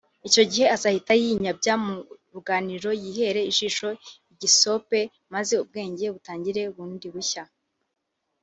Icyo gihe azahita yinyabya mu ruganiriro yihere ijisho igisope maze ubwenge butangire bundi bushya